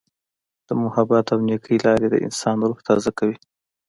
د محبت او نیکۍ لارې د انسان روح تازه کوي.